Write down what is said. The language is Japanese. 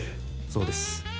そうです。